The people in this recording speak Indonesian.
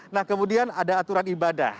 nah kemudian ada aturan ibadah